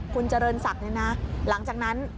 คุณเจริญศักดิ์เนี่ยนะหลังจากนั้น